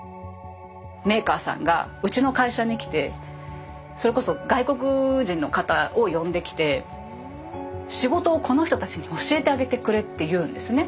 メーカーさんがうちの会社に来てそれこそ外国人の方を呼んできて仕事をこの人たちに教えてあげてくれって言うんですね。